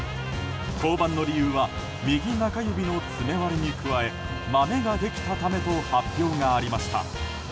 降板の理由は右中指の爪割れに加えマメができたためと発表がありました。